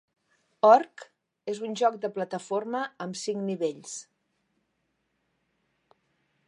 "Ork" és un joc de plataforma amb cinc nivells.